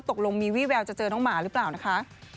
ตกลงมีวี่แววจะเจอน้องหมาหรือเปล่านะคะ